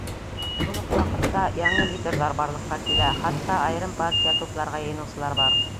Шул уҡ ваҡытта яңы лидерҙар барлыҡҡа килә, хатта айырым партия тупларға йыйыныусылар бар.